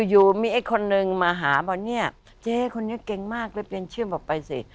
อยู่มีไอ้คนนึงมาหาบอกเนี่ยเจ๊คนนี้เก่งมากเลยเปลี่ยนชื่อบอกไปสิ